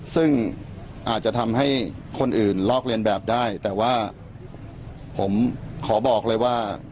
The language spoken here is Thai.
ซึ่งอาจจะทำให้คนอื่นลอกเรียนแบบได้แต่ว่าผมขอบอกเลยว่า